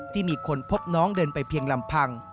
ที่มีคนพบน้องเดินไปเพียงลำพัง